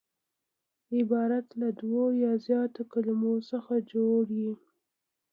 عبارت له دوو یا زیاتو کليمو څخه جوړ يي.